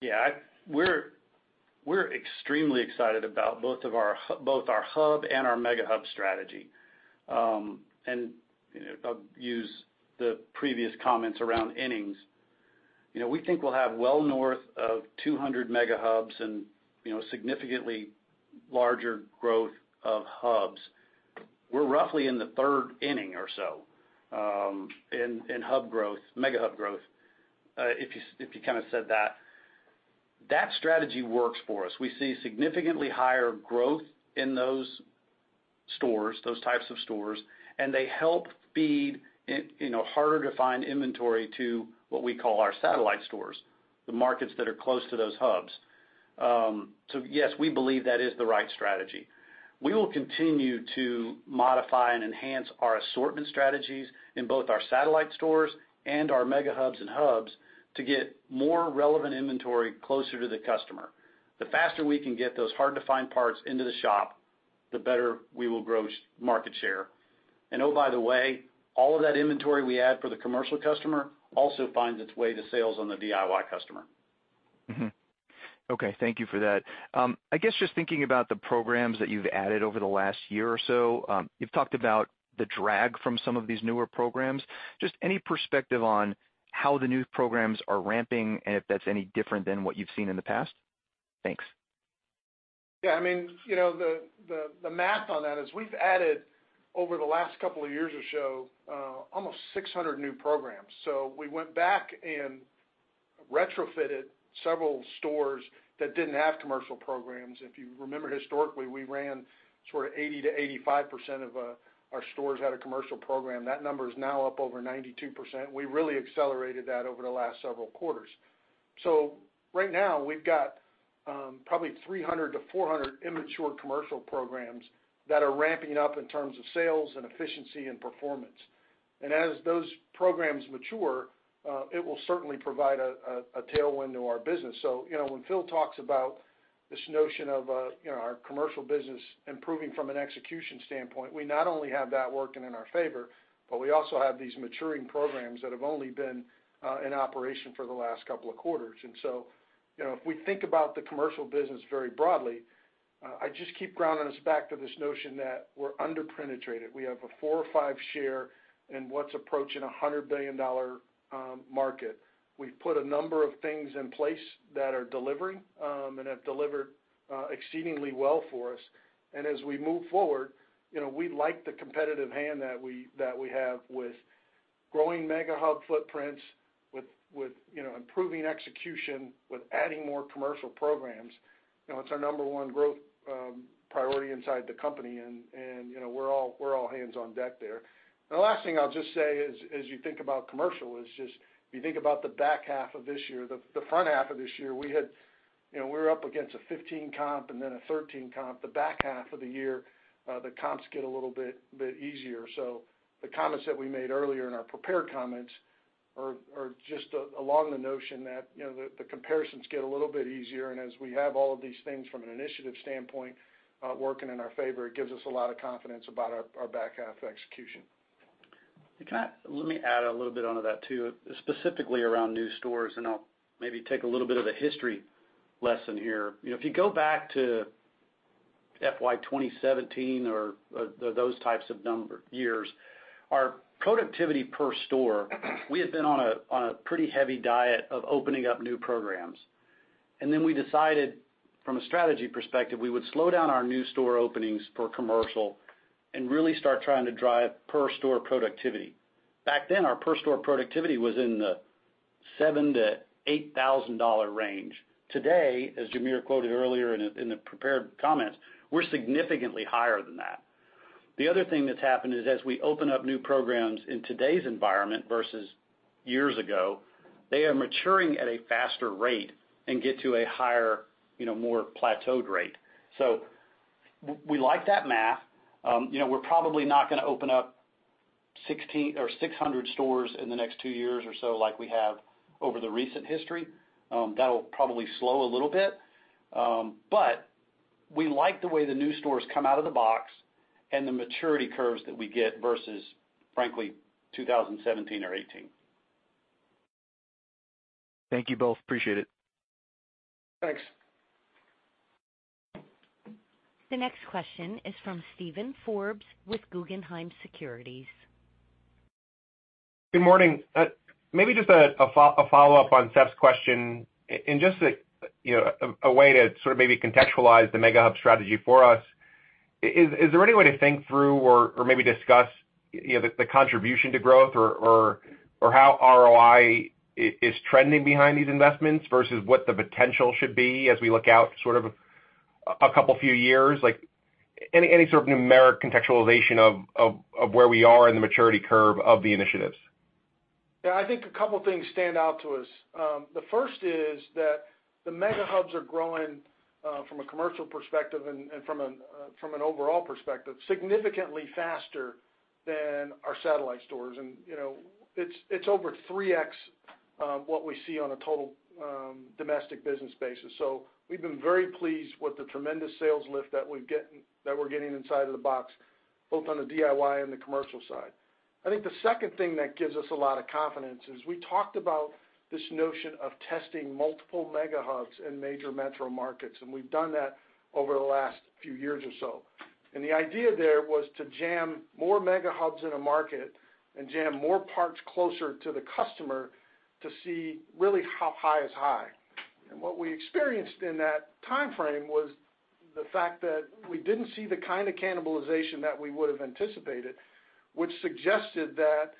Yeah. We're extremely excited about both our hub and our mega-hub strategy. And I'll use the previous comments around innings. We think we'll have well north of 200 Mega Hubs and significantly larger growth of hubs. We're roughly in the third inning or so in hub growth, mega-hub growth, if you kind of said that. That strategy works for us. We see significantly higher growth in those stores, those types of stores, and they help feed harder-to-find inventory to what we call our satellite stores, the markets that are close to those hubs. So yes, we believe that is the right strategy. We will continue to modify and enhance our assortment strategies in both our satellite stores and our Mega Hubs and hubs to get more relevant inventory closer to the customer. The faster we can get those hard-to-find parts into the shop, the better we will grow market share. Oh, by the way, all of that inventory we add for the commercial customer also finds its way to sales on the DIY customer. Okay. Thank you for that. I guess just thinking about the programs that you've added over the last year or so, you've talked about the drag from some of these newer programs. Just any perspective on how the new programs are ramping and if that's any different than what you've seen in the past? Thanks. Yeah. I mean, the math on that is we've added, over the last couple of years or so, almost 600 new programs. So we went back and retrofitted several stores that didn't have commercial programs. If you remember historically, we ran sort of 80% to 85% of our stores had a commercial program. That number is now up over 92%. We really accelerated that over the last several quarters. So right now, we've got probably 300 to 400 immature commercial programs that are ramping up in terms of sales and efficiency and performance. And as those programs mature, it will certainly provide a tailwind to our business. So when Phil talks about this notion of our commercial business improving from an execution standpoint, we not only have that working in our favor, but we also have these maturing programs that have only been in operation for the last couple of quarters. And so if we think about the commercial business very broadly, I just keep grounding us back to this notion that we're under-penetrated. We have a 4 or 5-share in what's approaching a $100 billion market. We've put a number of things in place that are delivering and have delivered exceedingly well for us. And as we move forward, we like the competitive hand that we have with growing mega-hub footprints, with improving execution, with adding more commercial programs. It's our number one growth priority inside the company, and we're all hands on deck there. The last thing I'll just say is, as you think about commercial, is just if you think about the back half of this year, the front half of this year, we were up against a 15-comp and then a 13-comp. The back half of the year, the comps get a little bit easier. So the comments that we made earlier in our prepared comments are just along the notion that the comparisons get a little bit easier. And as we have all of these things from an initiative standpoint working in our favor, it gives us a lot of confidence about our back half execution. Let me add a little bit onto that too, specifically around new stores. I'll maybe take a little bit of a history lesson here. If you go back to FY 2017 or those types of years, our productivity per store we had been on a pretty heavy diet of opening up new programs. Then we decided, from a strategy perspective, we would slow down our new store openings for commercial and really start trying to drive per-store productivity. Back then, our per-store productivity was in the $7,000 to 8,000 range. Today, as Jamere quoted earlier in the prepared comments, we're significantly higher than that. The other thing that's happened is, as we open up new programs in today's environment versus years ago, they are maturing at a faster rate and get to a higher, more plateaued rate. So we like that math. We're probably not going to open up 600 stores in the next two years or so like we have over the recent history. That'll probably slow a little bit. But we like the way the new stores come out of the box and the maturity curves that we get versus, frankly, 2017 or 2018. Thank you both. Appreciate it. Thanks. The next question is from Steven Forbes with Guggenheim Securities. Good morning. Maybe just a follow-up on Seth's question and just a way to sort of maybe contextualize the mega-hub strategy for us. Is there any way to think through or maybe discuss the contribution to growth or how ROI is trending behind these investments versus what the potential should be as we look out sort of a couple few years? Any sort of numeric contextualization of where we are in the maturity curve of the initiatives? Yeah. I think a couple things stand out to us. The first is that the Mega Hubs are growing, from a commercial perspective and from an overall perspective, significantly faster than our satellite stores. And it's over 3x what we see on a total domestic business basis. So we've been very pleased with the tremendous sales lift that we're getting inside of the box, both on the DIY and the commercial side. I think the second thing that gives us a lot of confidence is we talked about this notion of testing multiple Mega Hubs in major metro markets, and we've done that over the last few years or so. And the idea there was to jam more Mega Hubs in a market and jam more parts closer to the customer to see really how high is high. What we experienced in that timeframe was the fact that we didn't see the kind of cannibalization that we would have anticipated, which suggested that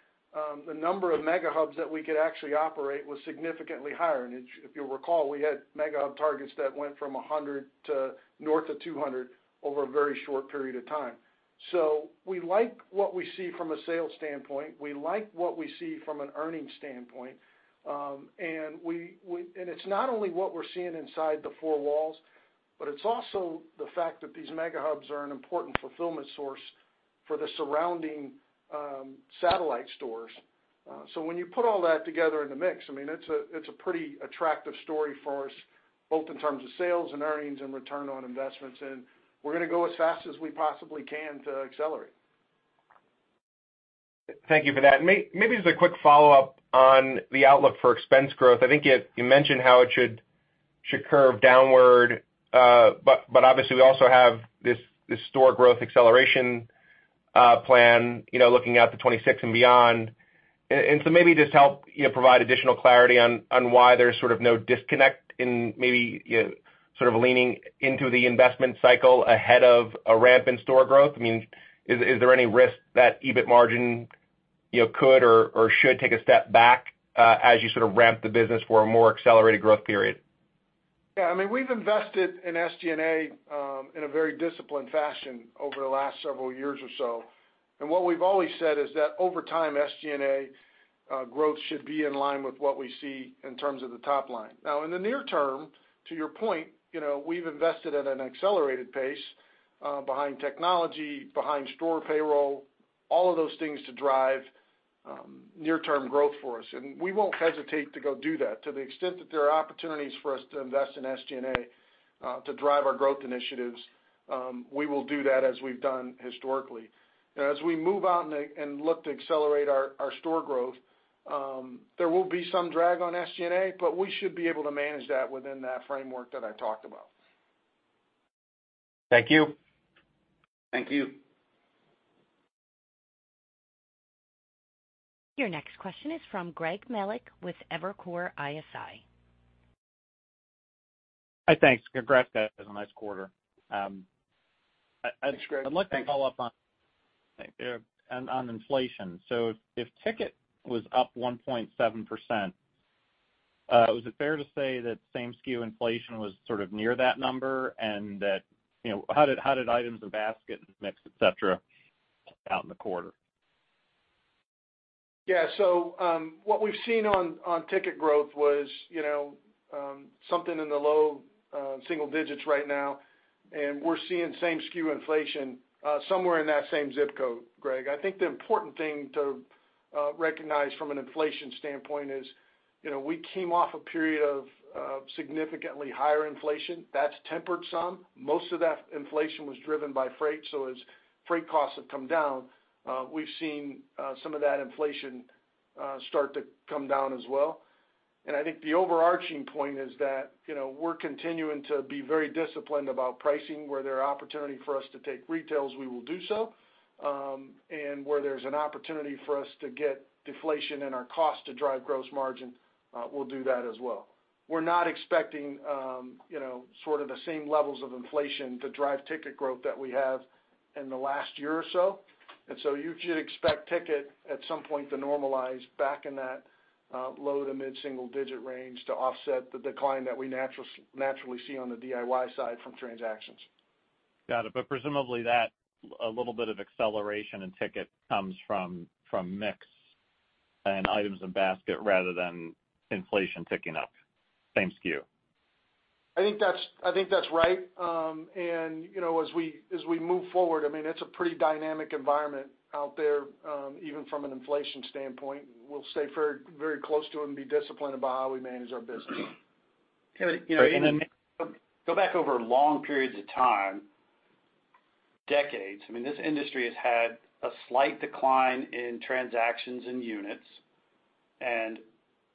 the number of Mega Hubs that we could actually operate was significantly higher. If you'll recall, we had mega-hub targets that went from 100 north of 200 over a very short period of time. We like what we see from a sales standpoint. We like what we see from an earnings standpoint. It's not only what we're seeing inside the four walls, but it's also the fact that these Mega Hubs are an important fulfillment source for the surrounding satellite stores. When you put all that together in the mix, I mean, it's a pretty attractive story for us, both in terms of sales and earnings and return on investments. We're going to go as fast as we possibly can to accelerate. Thank you for that. And maybe just a quick follow-up on the outlook for expense growth. I think you mentioned how it should curve downward, but obviously, we also have this store growth acceleration plan looking out to 2026 and beyond. And so maybe just help provide additional clarity on why there's sort of no disconnect in maybe sort of leaning into the investment cycle ahead of a ramp in store growth. I mean, is there any risk that EBIT margin could or should take a step back as you sort of ramp the business for a more accelerated growth period? Yeah. I mean, we've invested in SG&A in a very disciplined fashion over the last several years or so. And what we've always said is that, over time, SG&A growth should be in line with what we see in terms of the top line. Now, in the near term, to your point, we've invested at an accelerated pace behind technology, behind store payroll, all of those things to drive near-term growth for us. And we won't hesitate to go do that. To the extent that there are opportunities for us to invest in SG&A to drive our growth initiatives, we will do that as we've done historically. As we move out and look to accelerate our store growth, there will be some drag on SG&A, but we should be able to manage that within that framework that I talked about. Thank you. Thank you. Your next question is from Greg Melich with Evercore ISI. Hi, thanks. That was a nice quarter. I'd like to follow up on inflation. So if ticket was up 1.7%, was it fair to say that same SKU inflation was sort of near that number and that how did items in basket mix, etc., out in the quarter? Yeah. So what we've seen on ticket growth was something in the low single digits right now, and we're seeing same SKU inflation somewhere in that same zip code, Greg. I think the important thing to recognize from an inflation standpoint is we came off a period of significantly higher inflation. That's tempered some. Most of that inflation was driven by freight. So as freight costs have come down, we've seen some of that inflation start to come down as well. And I think the overarching point is that we're continuing to be very disciplined about pricing. Where there are opportunities for us to take retails, we will do so. And where there's an opportunity for us to get deflation in our cost to drive gross margin, we'll do that as well. We're not expecting sort of the same levels of inflation to drive ticket growth that we have in the last year or so. And so you should expect ticket at some point to normalize back in that low- to mid-single-digit range to offset the decline that we naturally see on the DIY side from transactions. Got it. But presumably, that's a little bit of acceleration in ticket comes from mix and items in basket rather than inflation ticking up, same SKU. I think that's right. As we move forward, I mean, it's a pretty dynamic environment out there, even from an inflation standpoint. We'll stay very close to it and be disciplined about how we manage our business. But if I go back over long periods of time, decades. I mean, this industry has had a slight decline in transactions and units and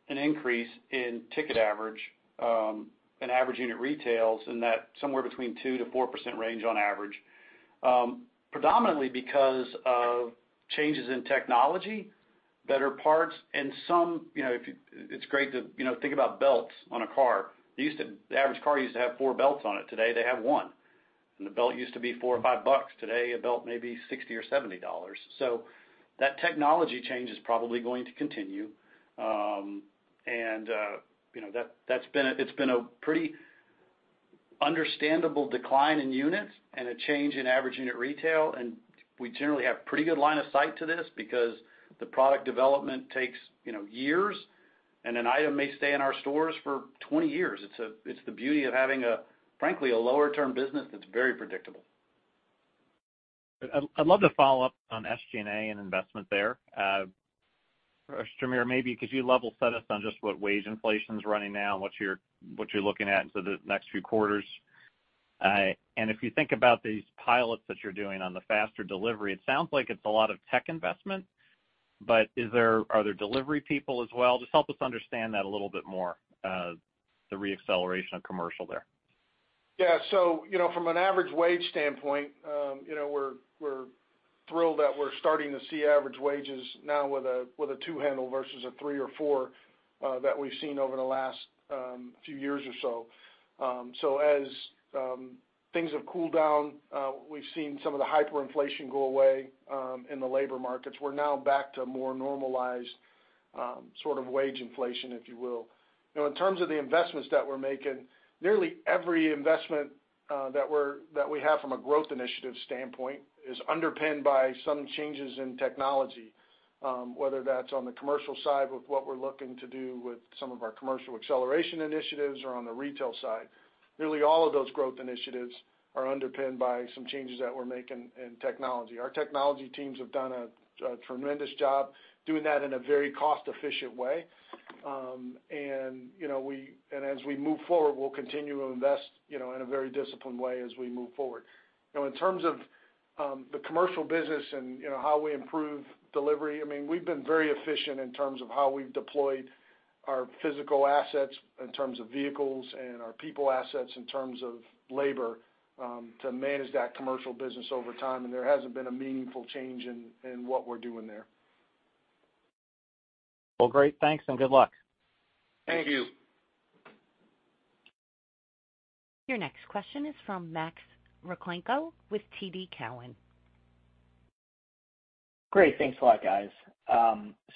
an increase in ticket average, and average unit retail, in that somewhere between 2% to 4% range on average, predominantly because of changes in technology, better parts. And it's great to think about belts on a car. The average car used to have 4 belts on it. Today, they have one. And the belt used to be $4 or 5. Today, a belt may be $60 or 70. So that technology change is probably going to continue. And it's been a pretty understandable decline in units and a change in average unit retail. And we generally have pretty good line of sight to this because the product development takes years, and an item may stay in our stores for 20 years. It's the beauty of having, frankly, a low-turn business that's very predictable. I'd love to follow up on SG&A and investment there. Jamere, maybe could you level set us on just what wage inflation's running now and what you're looking at into the next few quarters? And if you think about these pilots that you're doing on the faster delivery, it sounds like it's a lot of tech investment, but are there delivery people as well? Just help us understand that a little bit more, the reacceleration of commercial there. Yeah. So from an average wage standpoint, we're thrilled that we're starting to see average wages now with a two-handle versus a three or four that we've seen over the last few years or so. So as things have cooled down, we've seen some of the hyperinflation go away in the labor markets. We're now back to more normalized sort of wage inflation, if you will. In terms of the investments that we're making, nearly every investment that we have from a growth initiative standpoint is underpinned by some changes in technology, whether that's on the commercial side with what we're looking to do with some of our commercial acceleration initiatives or on the retail side. Nearly all of those growth initiatives are underpinned by some changes that we're making in technology. Our technology teams have done a tremendous job doing that in a very cost-efficient way. As we move forward, we'll continue to invest in a very disciplined way as we move forward. In terms of the commercial business and how we improve delivery, I mean, we've been very efficient in terms of how we've deployed our physical assets in terms of vehicles and our people assets in terms of labor to manage that commercial business over time. There hasn't been a meaningful change in what we're doing there. Well, great. Thanks and good luck. Thank you. Your next question is from Max Rakhlenko with TD Cowen. Great. Thanks a lot, guys.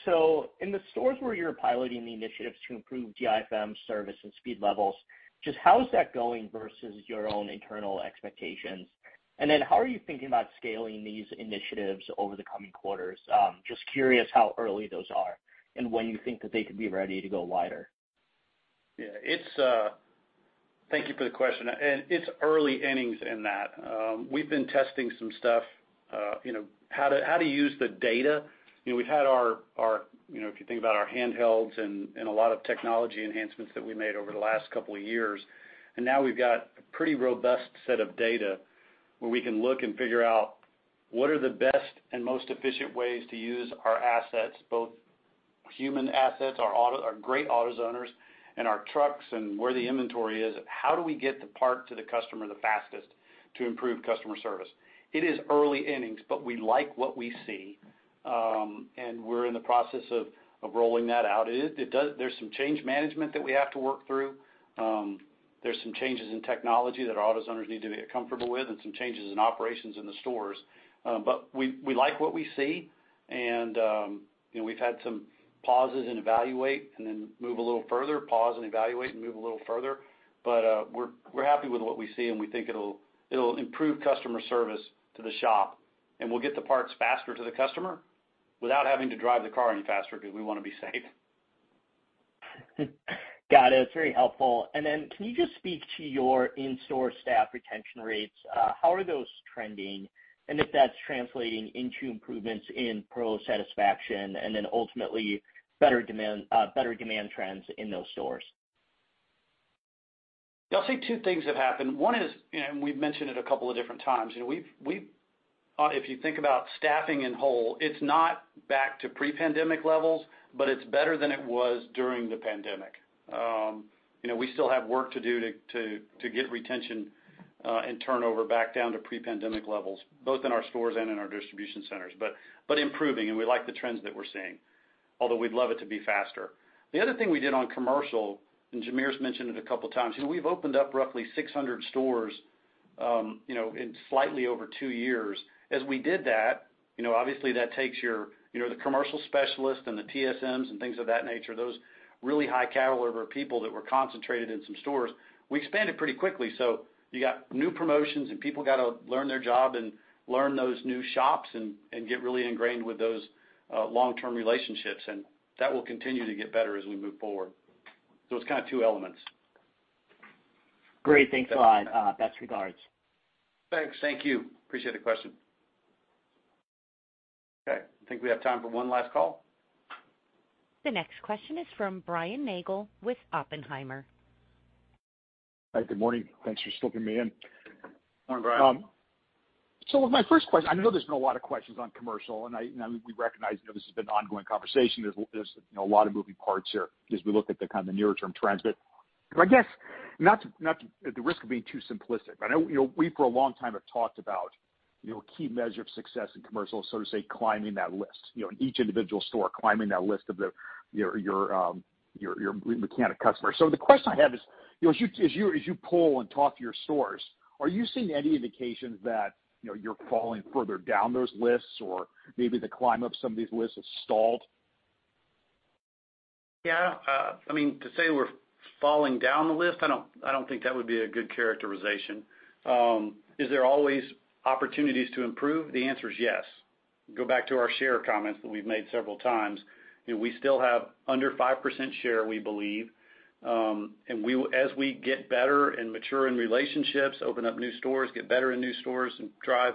So in the stores where you're piloting the initiatives to improve DIFM service and speed levels, just how is that going versus your own internal expectations? And then how are you thinking about scaling these initiatives over the coming quarters? Just curious how early those are and when you think that they could be ready to go wider. Yeah. Thank you for the question. It's early innings in that. We've been testing some stuff. How to use the data? We've had, if you think about, our handhelds and a lot of technology enhancements that we made over the last couple of years, and now we've got a pretty robust set of data where we can look and figure out what are the best and most efficient ways to use our assets, both human assets, our great AutoZoners, and our trucks and where the inventory is? How do we get the part to the customer the fastest to improve customer service? It is early innings, but we like what we see, and we're in the process of rolling that out. There's some change management that we have to work through. There's some changes in technology that our AutoZoners need to be comfortable with and some changes in operations in the stores. But we like what we see, and we've had some pauses and evaluate and then move a little further, pause and evaluate and move a little further. But we're happy with what we see, and we think it'll improve customer service to the shop. And we'll get the parts faster to the customer without having to drive the car any faster because we want to be safe. Got it. That's very helpful. And then can you just speak to your in-store staff retention rates? How are those trending? And if that's translating into improvements in pro satisfaction and then ultimately better demand trends in those stores? Yeah. I'll say two things have happened. One is, and we've mentioned it a couple of different times, if you think about staffing in whole, it's not back to pre-pandemic levels, but it's better than it was during the pandemic. We still have work to do to get retention and turnover back down to pre-pandemic levels, both in our stores and in our distribution centers, but improving. And we like the trends that we're seeing, although we'd love it to be faster. The other thing we did on commercial, and Jamere's mentioned it a couple of times, we've opened up roughly 600 stores in slightly over two years. As we did that, obviously, that takes the commercial specialists and the TSMs and things of that nature, those really high-caliber people that were concentrated in some stores, we expanded pretty quickly. You got new promotions, and people got to learn their job and learn those new shops and get really ingrained with those long-term relationships. That will continue to get better as we move forward. It's kind of two elements. Great. Thanks a lot. Best regards. Thanks. Thank you. Appreciate the question. Okay. I think we have time for one last call. The next question is from Brian Nagel with Oppenheimer. Hi. Good morning. Thanks for slipping me in. Morning, Brian. So with my first question, I know there's been a lot of questions on commercial, and we recognize this has been an ongoing conversation. There's a lot of moving parts here as we look at the kind of the near-term trends. But I guess not at the risk of being too simplistic, but I know we, for a long time, have talked about a key measure of success in commercial, so to say, climbing that list, in each individual store, climbing that list of your mechanic customers. So the question I have is, as you pull and talk to your stores, are you seeing any indications that you're falling further down those lists or maybe the climb up some of these lists has stalled? Yeah. I mean, to say we're falling down the list, I don't think that would be a good characterization. Is there always opportunities to improve? The answer is yes. Go back to our share comments that we've made several times. We still have under 5% share, we believe. And as we get better and mature in relationships, open up new stores, get better in new stores, and drive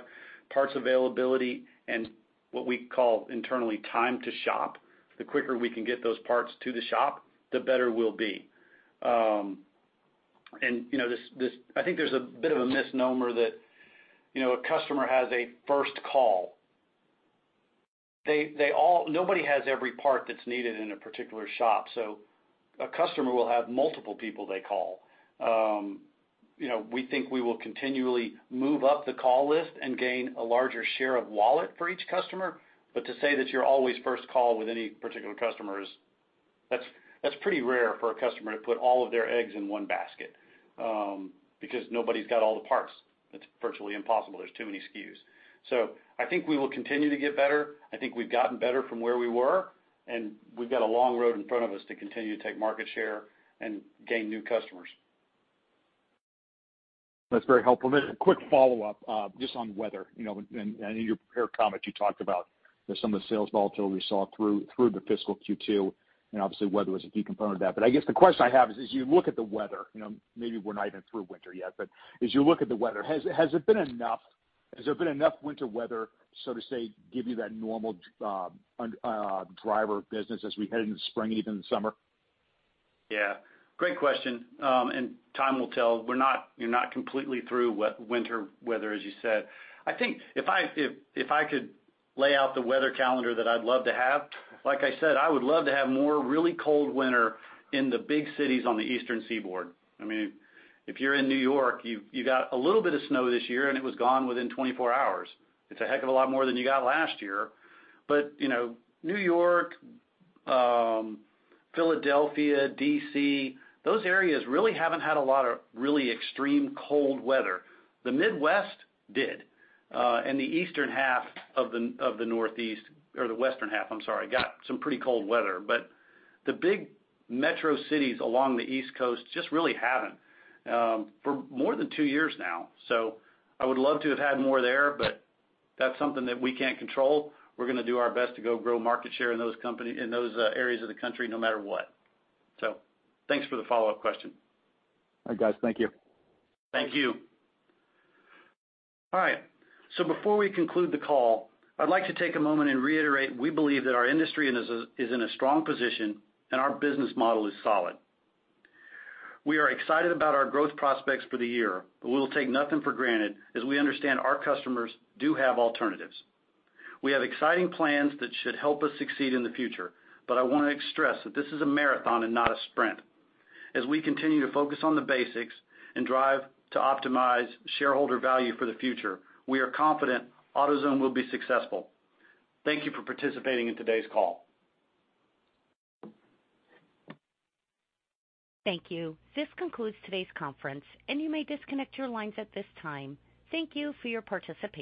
parts availability and what we call internally Time to Shop, the quicker we can get those parts to the shop, the better we'll be. And I think there's a bit of a misnomer that a customer has a first call. Nobody has every part that's needed in a particular shop. So a customer will have multiple people they call. We think we will continually move up the call list and gain a larger share of wallet for each customer. But to say that you're always first call with any particular customer, that's pretty rare for a customer to put all of their eggs in one basket because nobody's got all the parts. It's virtually impossible. There's too many SKUs. So I think we will continue to get better. I think we've gotten better from where we were, and we've got a long road in front of us to continue to take market share and gain new customers. That's very helpful. And then a quick follow-up just on weather. And in your prepared comments, you talked about there's some of the sales volatility we saw through the fiscal Q2, and obviously, weather was a key component of that. But I guess the question I have is, as you look at the weather maybe we're not even through winter yet, but as you look at the weather, has it been enough has there been enough winter weather, so to say, give you that normal driver of business as we head into the spring and even the summer? Yeah. Great question. Time will tell. You're not completely through winter weather, as you said. I think if I could lay out the weather calendar that I'd love to have, like I said, I would love to have more really cold winter in the big cities on the Eastern Seaboard. I mean, if you're in New York, you got a little bit of snow this year, and it was gone within 24 hours. It's a heck of a lot more than you got last year. But New York, Philadelphia, D.C., those areas really haven't had a lot of really extreme cold weather. The Midwest did. And the eastern half of the Northeast or the western half, I'm sorry, got some pretty cold weather. But the big metro cities along the East Coast just really haven't for more than two years now. I would love to have had more there, but that's something that we can't control. We're going to do our best to go grow market share in those areas of the country no matter what. Thanks for the follow-up question. All right, guys. Thank you. Thank you. All right. So before we conclude the call, I'd like to take a moment and reiterate we believe that our industry is in a strong position, and our business model is solid. We are excited about our growth prospects for the year, but we will take nothing for granted as we understand our customers do have alternatives. We have exciting plans that should help us succeed in the future. But I want to stress that this is a marathon and not a sprint. As we continue to focus on the basics and drive to optimize shareholder value for the future, we are confident AutoZone will be successful. Thank you for participating in today's call. Thank you. This concludes today's conference, and you may disconnect your lines at this time. Thank you for your participation.